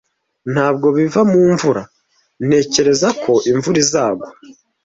"Ntabwo biva mu mvura. Ntekereza ko imvura izagwa."